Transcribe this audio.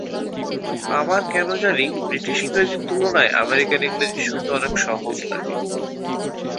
আমার কেন জানি, ব্রিটিশ ইংরেজির তুলনায় আমেরিকান ইংরেজি শুনতে অনেক সহজ লাগে।